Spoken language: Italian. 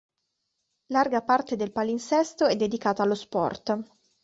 Larga parte del palinsesto è dedicata allo sport.